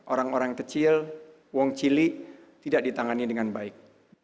orang orang kecil uang cili tidak ditangani dengan baik